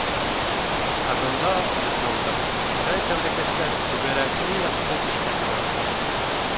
Ә бында, детдомда, ундай тәмлекәстәр күберәк иң яҡты төштә генә осрай.